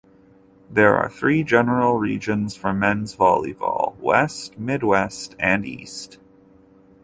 There are three general regions for men's volleyball: "West", "Midwest", and "East".